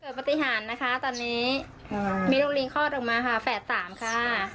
เกิดปฏิหารนะคะตอนนี้มีลูกลิงคลอดออกมาค่ะแฝดสามค่ะ